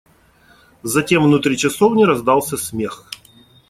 Затем внутри часовни раздался смех.